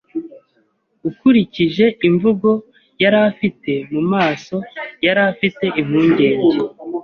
Ukurikije imvugo yari afite mu maso, yari afite impungenge.